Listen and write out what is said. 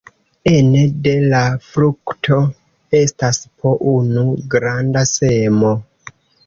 Ene de la frukto estas po unu granda semo.